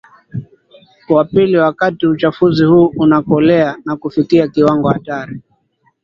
wa pili Wakati uchafuzi huu unakolea na kufikia viwango hatari